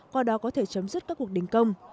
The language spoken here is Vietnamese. qua đó có thể chấm dứt các cuộc đình công